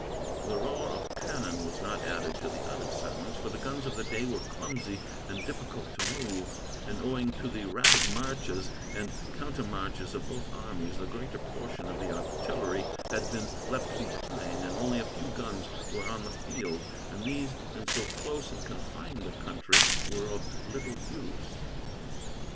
The roar of cannon was not added to the other sounds, for the guns of the day were clumsy and difficult to move; and, owing to the rapid marches and countermarches of both armies, the greater portion of the artillery had been left behind, and only a few guns were on the field, and these, in so close and confined a country, were of little use.